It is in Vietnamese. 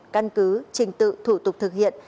căn cứ trình tự thủ tục thực hiện